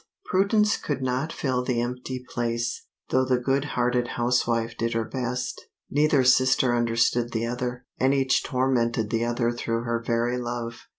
Prudence could not fill the empty place, though the good hearted housewife did her best. Neither sister understood the other, and each tormented the other through her very love.